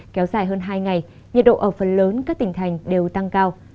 kéo dài hơn hai ngày nhiệt độ ở phần lớn các tỉnh thành đều tăng cao